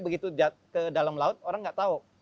begitu ke dalam laut orang nggak tahu